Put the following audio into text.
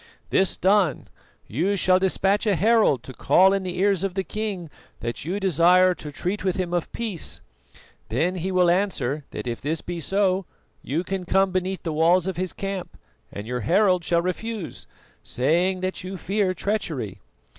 This done, you shall despatch a herald to call in the ears of the king that you desire to treat with him of peace. Then he will answer that if this be so you can come beneath the walls of his camp, and your herald shall refuse, saying that you fear treachery.